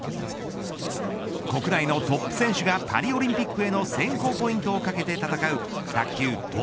国内のトップ選手がパリオリンピックへの選考ポイントを懸けて戦う卓球